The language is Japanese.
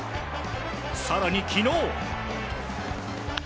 更に昨日。